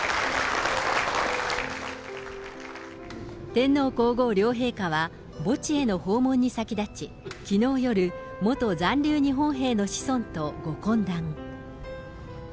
天皇皇后両陛下は、墓地への訪問に先立ち、きのう夜、元残留日本兵の子孫とご懇談。